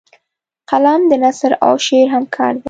قلم د نثر او شعر همکار دی